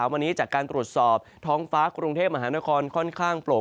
วันนี้จากการตรวจสอบท้องฟ้ากรุงเทพมหานครค่อนข้างโปร่ง